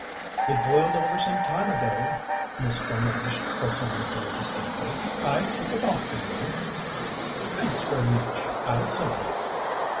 "It boiled over some time ago," Miss Delmege proclaimed very distinctly. "I took it off for you." "Thanks very much. I'll come."